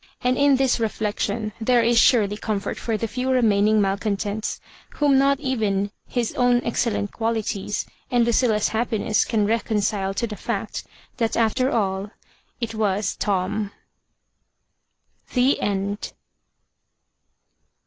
And in this reflection there is surely comfort for the few remaining malcon tents, whom not even his own excellent qualitiea, and Luoilla's happiness, can recondle to the fiMSl that after all it was Tom. THS XND.